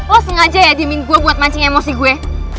lo sengaja ya dimin gue buat mancing emosi gue